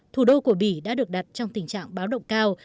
thủ đô của bỉ đã được đặt trong tình trạng báo động cao